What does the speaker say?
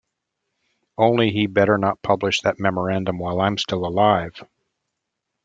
Only he better not publish that memorandum while I'm still alive!